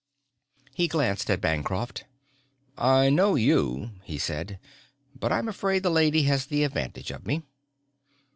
He glanced at Bancroft. "I know you," he said, "but I'm afraid the lady has the advantage of me."